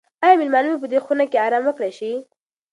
آیا مېلمانه به په دې خونه کې ارام وکړای شي؟